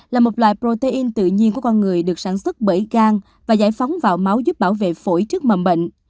là một loại protein tự nhiên của con người được sản xuất bởi gan và giải phóng vào máu giúp bảo vệ phổi trước mầm bệnh